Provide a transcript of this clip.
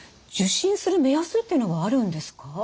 受診する目安っていうのはあるんですか？